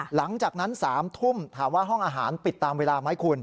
หลังจากนั้น๓ทุ่มถามว่าห้องอาหารปิดตามเวลาไหมคุณ